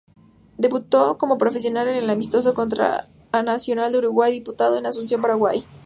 Debutó como profesional en un amistoso contra Nacional de Uruguay disputado en Asunción, Paraguay.